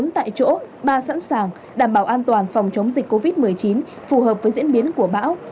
bốn tại chỗ ba sẵn sàng đảm bảo an toàn phòng chống dịch covid một mươi chín phù hợp với diễn biến của bão